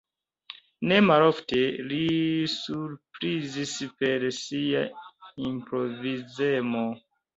Ne malofte li surprizis per sia improvizemo.